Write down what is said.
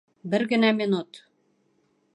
Бер генә минут!